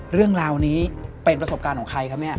เรื่องราวนี้เป็นประสบการณ์ของใครครับเนี่ย